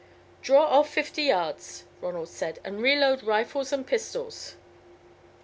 "Draw off fifty yards," Ronald said, "and reload rifles and pistols."